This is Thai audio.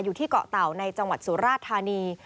อยู่ที่เกาะเต่าในจังหวัดสุราชธานี